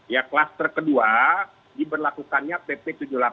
ya klaster kedua diberlakukannya pp tujuh puluh delapan